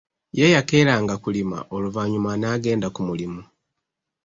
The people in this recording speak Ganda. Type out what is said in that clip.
Ye yakeeranga kulima oluvanyuma n'agenda kumulimu.